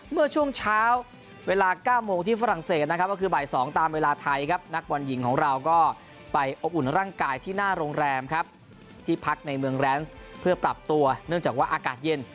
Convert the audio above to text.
เมื่อช่วงเช้าเวลา๙โมงที่ฝรั่งเศสนะครับก็คือบ่าย๒ตามเวลาไทยครับนักบอลหญิงของเราก็ไปอบอุ่นร่างกายที่หน้าโรงแรมครับที่พักในเมืองแรนซ์เพื่อปรับตัวเนื่องจากว่าอากาศเย็น